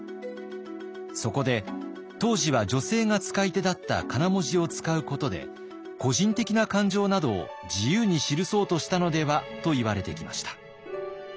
そこで当時は女性が使い手だったかな文字を使うことで個人的な感情などを自由に記そうとしたのではといわれてきました。